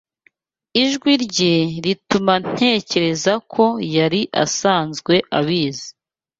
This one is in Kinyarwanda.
Ijwi rye rituma ntekereza ko yari asanzwe abizi.